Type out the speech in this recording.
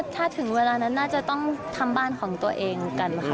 ถ้าถึงเวลานั้นน่าจะต้องทำบ้านของตัวเองกันค่ะ